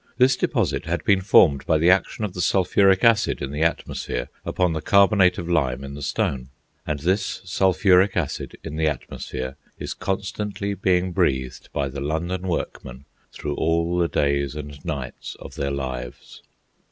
This deposit had been formed by the action of the sulphuric acid in the atmosphere upon the carbonate of lime in the stone. And this sulphuric acid in the atmosphere is constantly being breathed by the London workmen through all the days and nights of their lives.